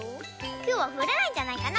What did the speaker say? きょうはふらないんじゃないかな？